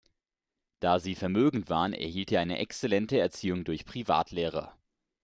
Da sie vermögend waren, erhielt er eine exzellente Erziehung durch Privatlehrer.